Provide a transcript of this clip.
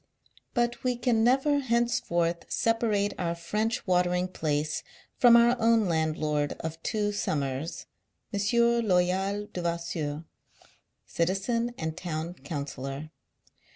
But we can never henceforth separate our French watering place from our own landlord of two summers, M. Loyal Devasseur, citizen and town councillor.